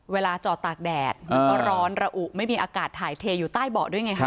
เวลาจอดตากแดดมันก็ร้อนระอุไม่มีอากาศถ่ายเทอยู่ใต้เบาะด้วยไงครับ